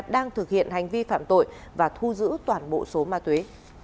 đang thực hiện hành vi phạm tội và thu giữ toàn bộ số ma túy